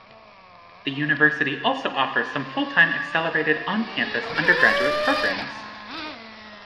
The university also offers some full-time accelerated on-campus undergraduate programs.